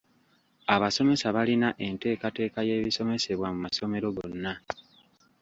Abasomesa balina enteekateeka y’ebisomesebwa mu masomero gonna.